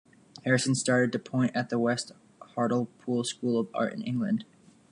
Harrison started to paint at the West Hartlepool School of Art in England.